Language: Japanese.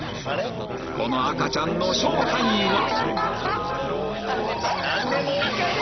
この赤ちゃんの正体は？